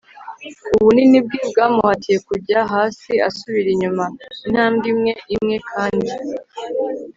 ubunini bwe bwamuhatiye kujya hasi asubira inyuma, intambwe imwe imwe, kandi